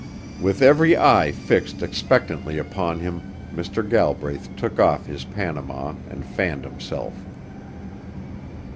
With every eye fixed expectantly upon him, Mr. Galbraith took off his Panama and fanned himself.